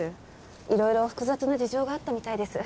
いろいろ複雑な事情があったみたいです。